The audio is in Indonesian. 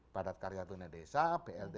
batat karya dunia desa blt